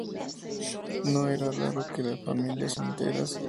No era raro que familias enteras, incluyendo mujeres y niños, murieran en ese momento.